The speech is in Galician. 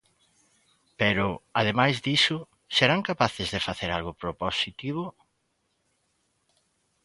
Pero, ademais diso, ¿serán capaces de facer algo propositivo?